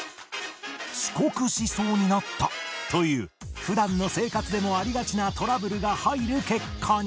遅刻しそうになったという普段の生活でもありがちなトラブルが入る結果に